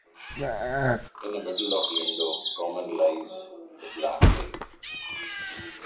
In the middle of Lindow Common lies the Black Lake.